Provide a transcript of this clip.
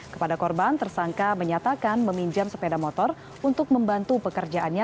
kepada korban tersangka menyatakan meminjam sepeda motor untuk membantu pekerjaannya